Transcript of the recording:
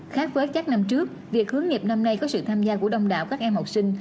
khác với các năm trước việc hướng nghiệp năm nay có sự tham gia của đông đảo các em học sinh